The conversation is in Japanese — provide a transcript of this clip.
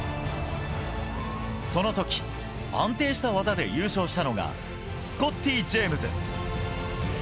その時、安定した技で優勝したのがスコッティ・ジェームズ。